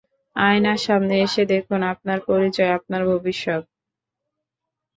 আয়নার সামনে এসে দেখুন আপনার পরিচয়, আপনার ভবিষ্যৎ।